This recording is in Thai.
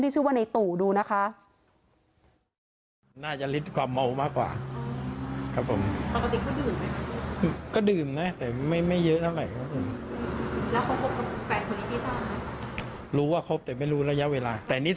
ชื่อว่าในตู่ดูนะคะ